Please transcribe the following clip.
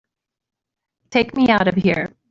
Take me out of here!